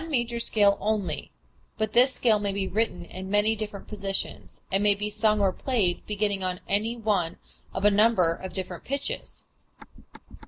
We have then one major scale only, but this scale may be written in many different positions, and may be sung or played beginning on any one of a number of different pitches.